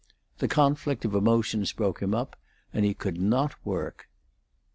The conflict of emotions broke him up, and he could not work.